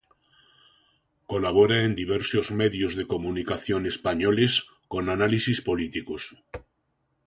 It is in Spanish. Colabora en diversos medios de comunicación españoles con análisis políticos.